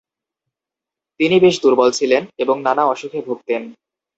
তিনি বেশ দুর্বল ছিলেন এবং নানা অসুখে ভুগতেন।